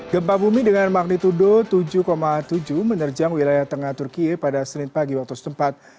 gempa bumi dengan magnitudo tujuh tujuh menerjang wilayah tengah turkiye pada senin pagi waktu setempat